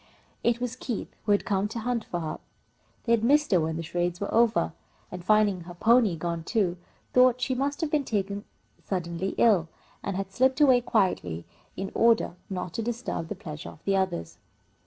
It was Keith, who had come to hunt for her. They had missed her, when the charades were over, and, finding her pony gone too, thought that she must have been taken suddenly ill, and had slipped away quietly in order not to disturb the pleasure of the others.